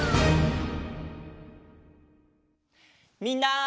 みんな！